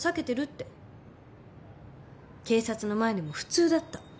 警察の前でも普通だった。